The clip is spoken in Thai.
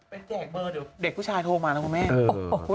แจกเบอร์เดี๋ยวเด็กผู้ชายโทรมานะคุณแม่